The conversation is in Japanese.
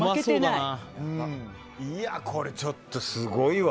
これ、ちょっとすごいわ。